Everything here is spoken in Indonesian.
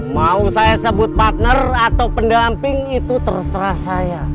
mau saya sebut partner atau pendamping itu terserah saya